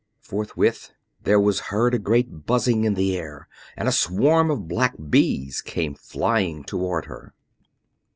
Forthwith there was heard a great buzzing in the air, and a swarm of black bees came flying toward her.